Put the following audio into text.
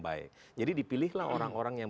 baik jadi dipilihlah orang orang yang